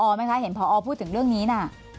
เพราะอ้อไหมคะเห็นเพราะอ้อพูดถึงเรื่องนี้น่ะ